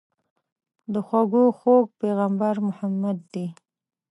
د خوږو خوږ پيغمبر محمد دي.